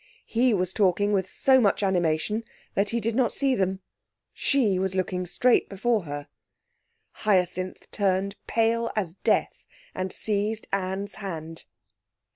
He was talking with so much animation that he did not see them. She was looking straight before her. Hyacinth turned pale as death and seized Anne's hand.